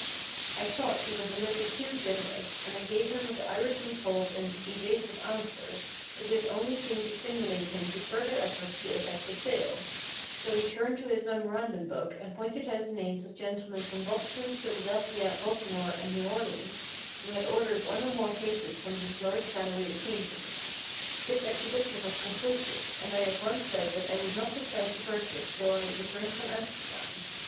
I thought he was a little too generous, and I gave him what the Irishman called an "evasive answer;" but this only seemed to stimulate him to further efforts to effect a sale, so he turned to his memorandum book and pointed out the names of gentlemen from Boston, Philadelphia, Baltimore, and New Orleans, who had ordered one or more cases from this large gallery of paintings. This exhibition was conclusive, and I at once said that I would not decide to purchase till I returned from Amsterdam.